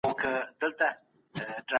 په څېړنه کې د تخیل ځای نشته.